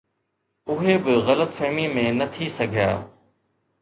اهي به غلط فهميءَ ۾ نه ٿي سگهيا